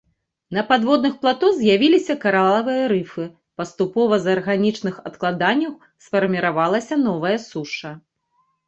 На падводных плато з'явіліся каралавыя рыфы, паступова з арганічных адкладанняў сфарміравалася новая суша.